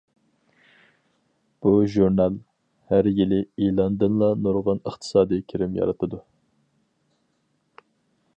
بۇ ژۇرنال ھەر يىلى ئېلاندىنلا نۇرغۇن ئىقتىسادىي كىرىم يارىتىدۇ.